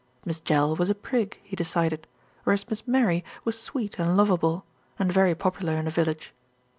Miss Jell was a prig, he decided, whereas Miss Mary was sweet and lovable, and very popular in the village.